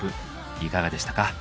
いかがでしたか？